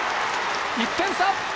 １点差！